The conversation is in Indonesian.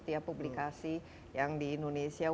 dan satu laki laki di indonesia